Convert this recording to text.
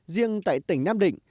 riêng tại tỉnh nam định